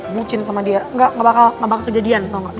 bucin sama dia gak bakal kejadian tau gak